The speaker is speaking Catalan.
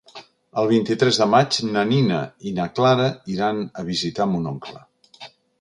El vint-i-tres de maig na Nina i na Clara iran a visitar mon oncle.